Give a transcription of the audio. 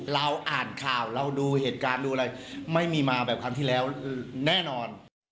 เราอ่านข่าวเราดูเหตุการณ์ดูอะไรไม่มีมาแบบครั้งที่แล้วแน่นอน